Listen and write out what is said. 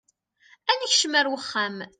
Ad nekcem ar wexxam.